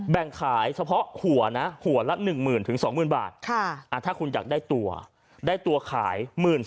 แบ่งขายเฉพาะหัวนะหัวละ๑๐๐๐๒๐๐บาทถ้าคุณอยากได้ตัวได้ตัวขาย๑๔๐๐